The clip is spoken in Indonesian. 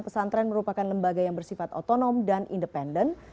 pesantren merupakan lembaga yang bersifat otonom dan independen